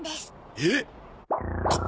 えっ！